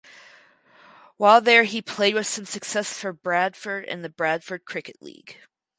While there he played with some success for Bradford in the Bradford Cricket League.